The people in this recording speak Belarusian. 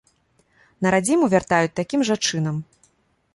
На радзіму вяртаюць такім жа чынам.